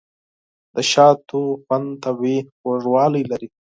د شاتو خوند طبیعي خوږوالی لري.